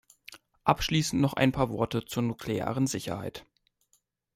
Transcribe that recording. Abschließend noch ein paar Worte zur nuklearen Sicherheit.